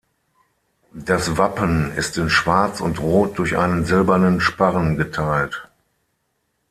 Das Wappen ist in Schwarz und Rot durch einen silbernen Sparren geteilt.